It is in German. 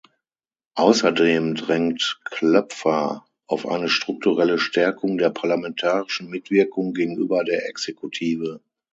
Außerdem drängt Kloepfer auf eine strukturelle Stärkung der parlamentarischen Mitwirkung gegenüber der Exekutive.